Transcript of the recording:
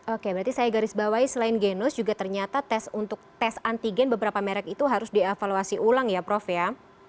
oke berarti saya garis bawahi selain genus juga ternyata tes untuk tes antigen beberapa merek itu harus dievaluasi ulang ya prof ya